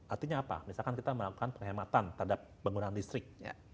artinya apa misalkan kita melakukan penghematan terhadap penggunaan listrik